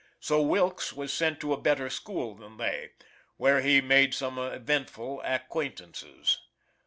So Wilkes was sent to a better school than they, where he made some eventful acquaintances.